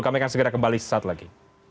kami akan segera kembali sesaat lagi